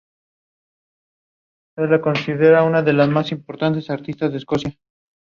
Easley is the son of former North Carolina governor Mike Easley.